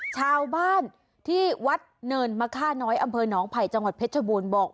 ชาวบ้านที่วัดเนินมะค่าน้อยอำเภอหนองไผ่จังหวัดเพชรบูรณ์บอก